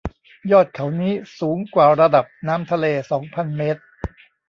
ยอดเขานี้สูงกว่าระดับน้ำทะเลสองพันเมตร